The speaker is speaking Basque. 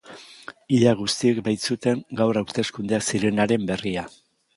Ia guztiek baitzuten gaur hauteskundeak zirenaren berria.